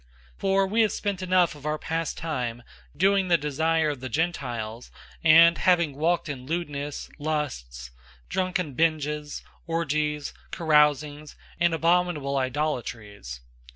004:003 For we have spent enough of our past time doing the desire of the Gentiles, and having walked in lewdness, lusts, drunken binges, orgies, carousings, and abominable idolatries.